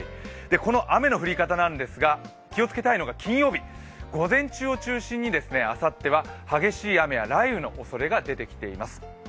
この雨の降り方なんですが、気をつけたいのが金曜日です、午前中を中心にあさっては激しい雨や雷雨のおそれが出てきています。